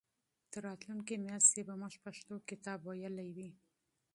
تر راتلونکې میاشتې به موږ پښتو کتاب لوستی وي.